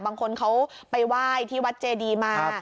บางคนเขาไปไหว้ที่วัดเจดีมา